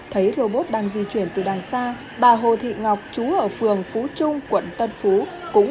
thấy robot đang di chuyển từ đằng xa bà hồ thị ngọc chú ở phường phú trung quận tân phú cũng